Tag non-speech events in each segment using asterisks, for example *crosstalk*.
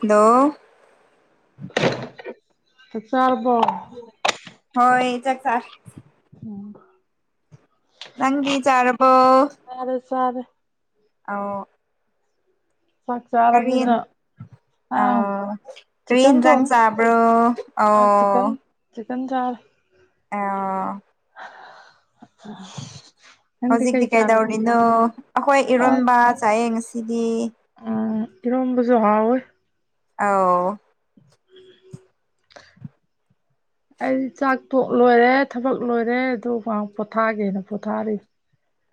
hello ꯆꯥꯛ ꯆꯥꯔꯕꯣ ꯍꯣꯏ ꯆꯥꯛ ꯆꯥꯔꯦ ꯎꯝ ꯅꯪꯗꯤ ꯆꯥꯔꯕꯣ ꯆꯥꯔꯦ ꯆꯥꯔꯦ ꯑꯥꯎ ꯆꯥꯛ ꯆꯥꯥꯔꯝꯅꯤꯅ ꯑꯣ ꯀꯔꯤ ꯆꯤꯛꯀꯟ ꯏꯟꯖꯥꯡ ꯊꯣꯡꯉꯦ ꯆꯥꯕ꯭ꯔꯣ ꯑꯣ ꯆꯤꯀꯟ ꯆꯥꯔꯦ ꯑꯥ *unintelligible* ꯅꯪꯗꯤ ꯀꯩ ꯍꯧꯖꯤꯛꯇꯤ ꯆꯥꯔꯒꯦ ꯀꯩꯗꯧꯔꯤꯅꯣ ꯑꯩꯈꯣꯏ ꯏꯔꯣꯟꯕ ꯆꯥꯌꯦ ꯉꯁꯤꯗꯤ ꯑꯪ ꯏꯔꯣꯝꯕꯁꯨ ꯍꯥꯎꯋꯦ ꯑꯥꯎ ꯑꯩꯗꯤ ꯆꯥꯛꯇꯣꯛ ꯂꯣꯏꯔꯦ ꯊꯕꯛ ꯂꯣꯏꯔꯦ ꯑꯗꯨ ꯉꯍꯥꯛ ꯄꯣꯊꯥꯒꯦꯅ ꯄꯣꯊꯥꯔꯤ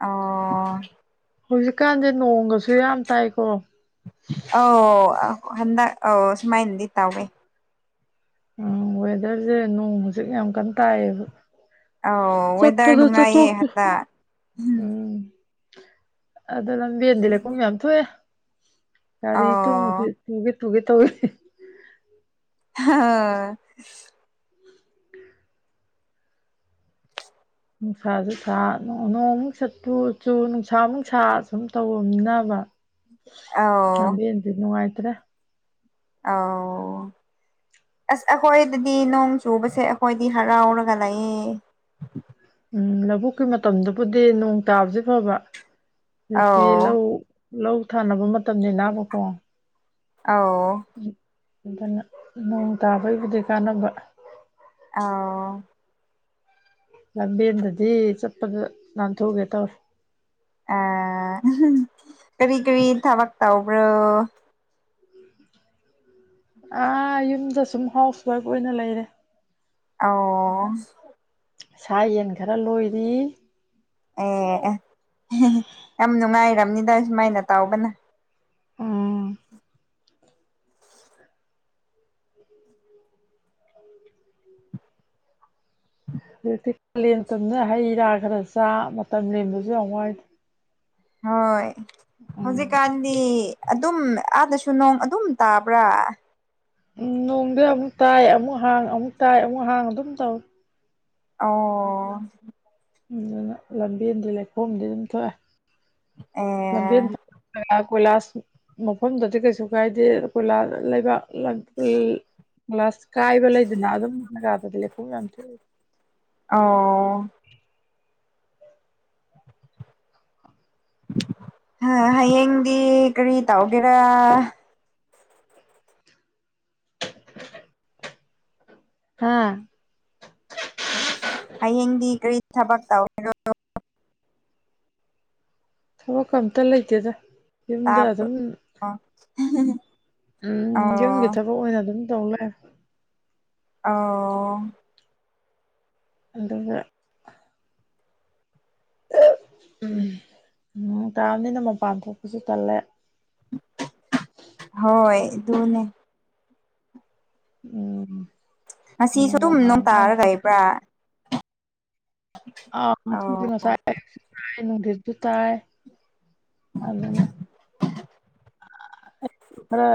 ꯑꯣ ꯍꯧꯖꯤꯛꯀꯥꯟꯁꯦ ꯅꯣꯡꯒꯁꯨ ꯌꯥꯝ ꯇꯥꯏꯀꯣ ꯑ ꯍꯟꯗ ꯑ ꯁꯨꯃꯥꯏꯟꯗꯤ ꯇꯧꯋꯦ ꯎꯝ ꯋꯦꯗꯔꯁꯦ ꯅꯣꯡ ꯍꯧꯖꯤꯛ ꯌꯥꯝ ꯀꯟꯅ ꯇꯥꯏꯌꯦꯕ ꯑꯧ ꯋꯦꯗꯔ ꯆꯠꯄꯗ ꯅꯨꯡꯉꯥꯏꯌꯦ ꯆꯠꯊꯣꯛꯇꯦ ꯍꯟꯗꯛ ꯎꯝ ꯑꯗꯨ ꯂꯝꯕꯦꯟꯗꯤ ꯂꯩꯈꯣꯝ ꯌꯥꯝ ꯊꯣꯛꯑꯦ ꯒꯥꯔꯤ ꯇꯣꯡꯕꯁꯦ ꯑꯧ ꯇꯨꯒꯦ ꯇꯨꯒꯦ ꯇꯧꯋꯦ ꯍꯥ ꯍꯥ ꯍꯥ ꯅꯨꯡꯁꯥꯁꯨ ꯁꯥꯥ ꯅꯣꯡꯃꯨꯛ ꯆꯠꯄꯨ ꯆꯨ ꯅꯨꯡꯁꯥ ꯑꯃꯨꯛꯅꯨꯡꯁꯥ ꯁꯨꯝ ꯇꯧꯔꯝꯅꯤꯕ ꯑꯧ ꯂꯝꯕꯦꯟꯁꯦ ꯅꯨꯡꯉꯥꯏꯇ꯭ꯔꯦ ꯑꯥꯎ ꯑꯁ ꯑꯩꯈꯣꯏꯗꯗꯤ ꯅꯣꯡ ꯆꯨꯕꯁꯦ ꯑꯩꯈꯣꯏꯗꯤ ꯍꯔꯥꯎꯔꯒ ꯂꯩꯌꯦ ꯎꯝ ꯂꯧꯕꯨꯛꯀꯤ ꯃꯇꯝꯗꯕꯨꯗꯤ ꯅꯣꯡ ꯇꯥꯕꯁ ꯐꯕ ꯍꯧꯖꯤꯛꯇꯤ ꯑꯧ ꯂꯧ ꯂꯧ ꯊꯥꯅꯕ ꯃꯇꯝꯅꯤ ꯅꯥꯕꯀꯣ ꯑꯥꯎ ꯑꯗꯨꯅ ꯅꯣꯡ ꯇꯥꯕꯒꯤꯕꯨꯗꯤ ꯀꯥꯟꯅꯕ ꯑꯥꯎ ꯂꯝꯕꯦꯟꯗꯗꯤ ꯆꯠꯄꯗ ꯅꯥꯟꯊꯨꯒꯦ ꯇꯧꯋꯦ ꯑꯥ ꯀꯔꯤ ꯀꯔꯤ ꯊꯕꯛ ꯇꯧꯕ꯭ꯔꯣ ꯑꯥ ꯌꯨꯝꯗ ꯁꯨꯝ ꯍꯥꯎꯁ ꯋꯥꯏꯐ ꯑꯣꯏꯅ ꯂꯩꯔꯦ ꯑꯥꯎ ꯁꯥ ꯌꯦꯟ ꯈꯔ ꯂꯣꯏꯔꯤ ꯑꯦ ꯌꯥꯝ ꯅꯨꯡꯉꯥꯏꯔꯝꯅꯤꯗ ꯗꯨꯃꯥꯏꯅ ꯇꯧꯕꯅ ꯎꯝ ꯍꯧꯖꯤꯛꯇꯤ ꯀꯥꯂꯦꯟ ꯇꯝꯅ ꯍꯩ ꯔꯥ ꯈꯔ ꯆꯥ ꯃꯇꯝ ꯂꯦꯟꯕꯁꯨ ꯌꯥꯝ ꯋꯥꯏꯗ ꯍꯣꯏ ꯎꯝ ꯍꯧꯖꯤꯛ ꯀꯥꯟ ꯑꯗꯨꯝ ꯑꯥꯗꯁꯨ ꯅꯣꯡ ꯑꯗꯨꯝ ꯇꯥꯕ꯭ꯔꯥ ꯎꯝ ꯅꯣꯡꯗꯤ ꯑꯃꯨꯛ ꯇꯥꯏ ꯑꯃꯨꯛ ꯍꯥꯡ ꯑꯃꯨꯛ ꯇꯥꯏ ꯑꯃꯨꯛ ꯍꯥꯡ ꯑꯗꯨꯝ ꯇꯧꯏ ꯑꯣ ꯑꯗꯨꯅ ꯂꯝꯕꯦꯟꯗꯤ ꯂꯩꯈꯣꯝꯗꯤ ꯑꯗꯨꯝ ꯊꯣꯛꯑꯦ ꯂꯝꯕꯦꯟ ꯑꯦ ꯀꯣꯏ ꯀꯣꯏꯂꯥꯁ ꯃꯐꯝꯗꯗꯤ ꯀꯩꯁꯨ ꯀꯥꯏꯗꯦ ꯀꯣꯏꯂꯥꯁ ꯂꯩꯕꯥꯛ ꯂ ꯂꯥꯁ ꯀꯥꯏꯕ ꯂꯩꯗꯅ ꯑꯗꯨꯝꯒꯥꯗꯗ ꯂꯩꯈ ꯌꯥꯝ ꯊꯣ ꯑꯣ ꯑ ꯍꯌꯦꯡꯗꯤ ꯀꯔꯤ ꯇꯧꯒꯦꯔꯥ *inaudible* ꯍꯥꯥ ꯍꯌꯦꯡꯗꯤ ꯀꯔꯤ ꯊꯕꯛ ꯇꯧꯔꯣ ꯊꯕꯛ ꯑꯝꯇ ꯂꯩꯇꯦꯗ ꯌꯨꯝꯗꯥ ꯑꯗꯨ ꯎꯝ ꯌꯨꯝꯒꯤ ꯑꯣ ꯊꯥꯕꯥ ꯄ ꯑꯣꯏꯅ ꯑꯗꯨꯝ ꯇꯧ ꯂꯩ ꯑꯧ ꯑꯗꯨꯒ ꯎꯝ ꯇꯥꯕꯅꯤꯅ ꯃꯄꯥꯟ ꯊꯣꯛꯄꯁꯨ ꯇꯜꯂꯦ ꯍꯣꯏꯣꯏ ꯑꯗꯨꯅꯦ ꯎꯝ ꯉꯁꯤ ꯁ ꯅꯣꯡꯒ ꯑꯗꯨꯝ ꯅꯨꯡ ꯇꯥꯔ ꯍꯥꯡꯉꯀꯥꯟꯗ ꯀꯕ꯭ꯔꯥ *unintelligible* ꯑꯅ *unintelligible* *inaudible* *inaudible* ꯈꯔ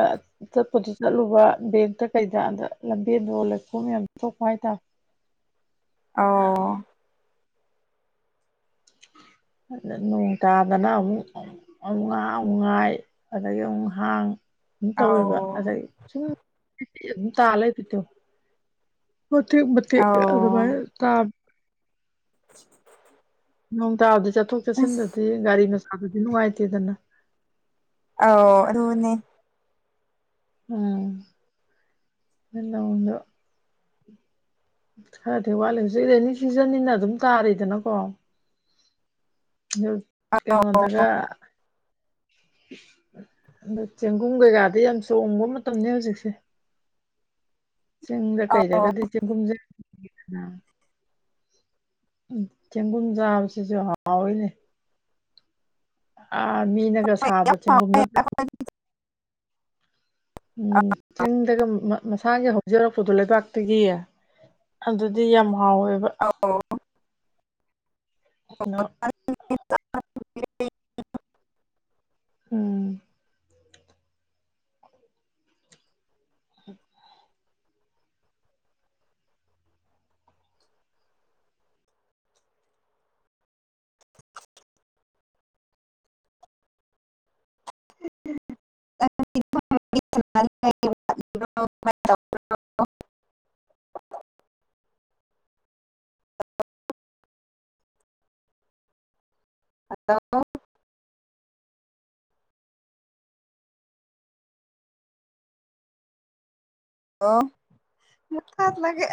ꯆꯠꯄꯗꯨ ꯆꯠꯂꯨꯕ ꯕꯦꯡꯛꯇ ꯀꯩꯗ ꯑꯗ ꯂꯝꯕꯦꯟꯗꯣ ꯂꯩꯈꯣꯝ ꯌꯥꯝꯌꯥꯝ ꯊꯣꯛꯄ ꯍꯥꯏꯇꯥꯔꯦ ꯑꯎ *inaudible* ꯅꯣꯡ ꯇꯥꯗꯅ ꯑꯃꯨꯛ ꯑꯉꯥ ꯑꯨꯉꯥꯏ ꯑꯗꯒꯤ ꯑꯨꯍꯥꯡ ꯑꯗꯨꯝ ꯑꯧ ꯇꯧꯋꯦꯕ ꯑꯗꯩ ꯁꯨꯝ ꯑꯗꯨꯝ ꯇꯥ ꯂꯩ ꯕꯤꯗꯣ ꯃꯇꯦꯛ ꯃꯇꯦꯛ ꯑꯗꯨꯃꯥꯢ ꯑꯧ ꯇꯥ *inaudible* ꯅꯣꯡ ꯇꯥꯕꯗꯤ ꯆꯠꯊꯣꯛ ꯑꯁ ꯆꯠꯁꯤꯟꯗꯗꯤ ꯒꯥꯔꯤ ꯃꯆꯥꯗꯨꯗꯤ ꯅꯨꯡꯉꯥꯏꯇꯦꯗꯅ ꯑꯣ ꯑꯗꯨꯨꯅꯦ ꯎꯝ ꯏꯅ ꯎꯅ *unintelligible* ꯈꯔꯗꯤ ꯋꯥꯠꯂꯦ ꯍꯧꯖꯤꯛ ꯔꯦꯅꯤ ꯁꯤꯖꯟꯅꯤꯅ ꯑꯗꯨꯝ ꯇꯥꯔꯤꯗꯅꯀꯣ ꯀꯩꯅꯣꯗꯒ ꯑꯗ ꯆꯦꯡꯒꯨꯝ ꯀꯩꯀꯥꯗꯤ ꯌꯥꯝ ꯆꯣꯡꯕ ꯃꯇꯝꯅꯤ ꯍꯧꯖꯤꯛꯁꯦ ꯆꯤꯡꯗ ꯑꯧ ꯀꯩꯗꯒꯗꯤ ꯆꯤꯡꯒꯨꯝꯖ ꯆꯦꯡꯒꯨꯟ ꯆꯥꯕꯁꯤꯁꯨ ꯍꯥꯎꯋꯏꯅꯦ ꯑ ꯃꯤꯅꯒ ꯍꯣꯏ ꯌꯥꯝ ꯁꯥꯕ ꯍꯥꯎ ꯆꯦꯡꯒꯨꯝ ꯅꯠꯇ ꯎꯝ ꯆꯤꯡꯗꯒ ꯃꯁꯥꯒꯤ ꯍꯧꯖꯔꯛꯄꯗꯣ ꯂꯩꯕꯥꯛ ꯑꯗꯨꯒꯤꯌꯦ ꯑꯗꯨꯗꯤ ꯌꯥꯝ ꯍꯥꯎꯋꯦꯕ ꯑꯣ ꯑꯅ *unintelligible* ꯎꯝ ꯎꯝ *inaudible* *inaudible* *inaudible* *unintelligible* *inaudible* ꯑꯗꯣ *unintelligible* ꯑꯣ ꯃꯊ ꯂꯦ *inaudible*